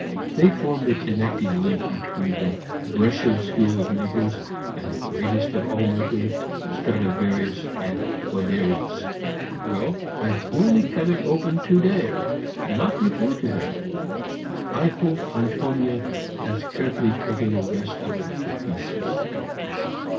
They form the connecting link between the Brescian school of makers and the greatest of all makers, Straduarius and Guarnerius.] into my hands. Well, I've only cut it open to day not before to day. I hope Antonia has carefully taken the rest of it to pieces."